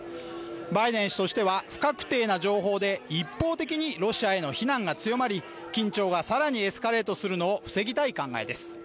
バイデン氏としては、不確定な情報で一方的にロシアへの非難が強まり緊張が更にエスカレートするのを防ぎたい考えです。